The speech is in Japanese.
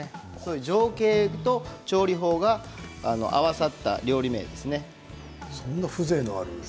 情景と調理法が合わさった料理名です。